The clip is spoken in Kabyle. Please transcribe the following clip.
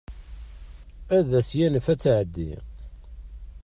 Ad as-yanef ad tɛeddi.